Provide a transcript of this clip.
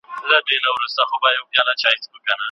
کمپيوټر په ټولني کي ډېر مهم دی.